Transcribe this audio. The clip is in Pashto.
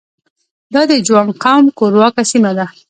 دا د جوانګ قوم کورواکه سیمه ده.